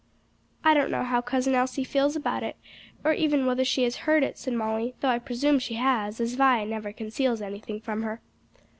"I don't know how Cousin Elsie feels about it, or even whether she has heard it," said Molly; "though I presume she has, as Vi never conceals anything from her."